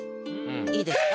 いいですか？